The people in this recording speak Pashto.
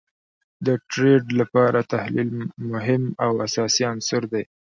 د ټریډ لپاره تحلیل مهم او اساسی عنصر دي